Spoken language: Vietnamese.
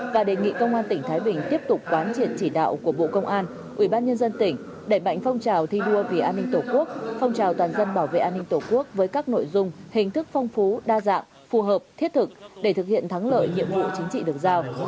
và đề nghị công an tỉnh thái bình tiếp tục quán triệt chỉ đạo của bộ công an ubnd tỉnh đẩy mạnh phong trào thi đua vì an ninh tổ quốc phong trào toàn dân bảo vệ an ninh tổ quốc với các nội dung hình thức phong phú đa dạng phù hợp thiết thực để thực hiện thắng lợi nhiệm vụ chính trị được giao